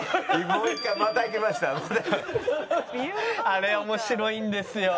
あれ面白いんですよ。